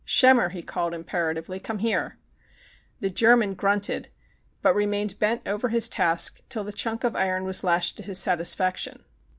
"Schemmer!" he called, im peratively. "Come here." The German grunted, but remained bent over his task till the chunk of iron was lashed to his satisfaction.